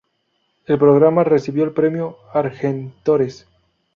El programa recibió el premio Argentores.